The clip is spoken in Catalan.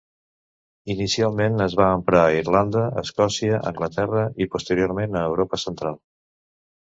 Inicialment es va emprar a Irlanda, Escòcia, Anglaterra i posteriorment a Europa central.